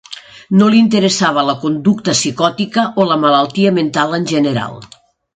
No li interessava la conducta psicòtica o la malaltia mental en general.